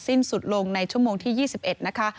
สิ้นสุดลงในชั่วโมงที่๒๑นะคะ